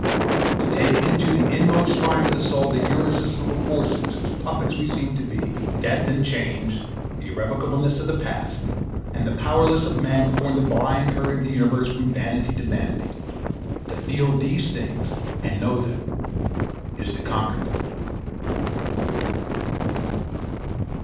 To take into the inmost shrine of the soul the irresistible forces whose puppets we seem to be—Death and change, the irrevocableness of the past, and the powerlessness of man before the blind hurry of the universe from vanity to vanity—to feel these things and know them is to conquer them.